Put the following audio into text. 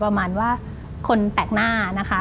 ประมาณว่าคนแปลกหน้านะคะ